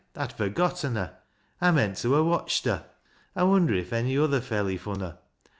I'd forgotten her. 1 meaut to ha' watched her. I wonder if any other felij fun her.